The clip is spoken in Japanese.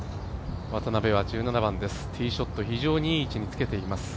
渡邉は１７番、ティーショット非常にいい位置につけています。